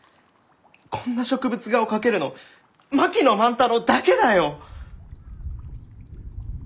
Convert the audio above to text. こんな植物画を描けるの槙野万太郎だけだよ！